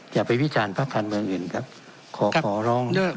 อย่าไปวิจารณ์ภาคการเมืองอื่นครับขอขอร้อง